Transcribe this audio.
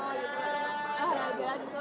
jadi kita kan kini di solo